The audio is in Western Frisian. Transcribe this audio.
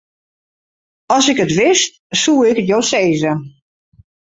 As ik it wist, soe ik it jo sizze.